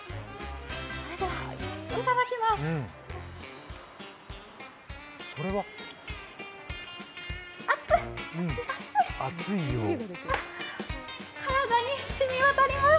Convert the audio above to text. それではいただきます。